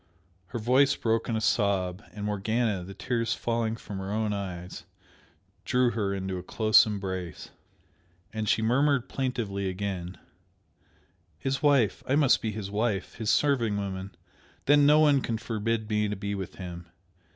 Her voice broke in a sob, and Morgana, the tears falling from her own eyes, drew her into a close embrace. And she murmured plaintively again "His wife! I must be his wife, his serving woman then no one can forbid me to be with him!